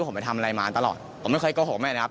ผมไปทำอะไรมาตลอดผมไม่เคยโกหกแม่นะครับ